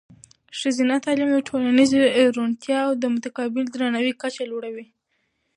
ښځینه تعلیم د ټولنیزې روڼتیا او د متقابل درناوي کچه لوړوي.